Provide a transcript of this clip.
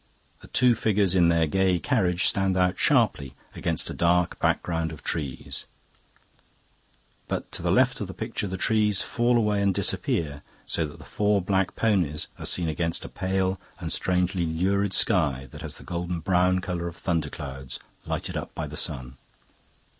The two figures in their gay carriage stand out sharply against a dark background of trees; but to the left of the picture the trees fall away and disappear, so that the four black ponies are seen against a pale and strangely lurid sky that has the golden brown colour of thunder clouds lighted up by the sun.